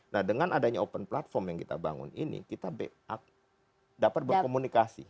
nah dengan adanya open platform yang kita bangun ini kita dapat berkomunikasi